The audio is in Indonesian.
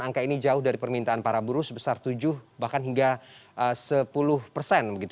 angka ini jauh dari permintaan para buruh sebesar tujuh bahkan hingga sepuluh persen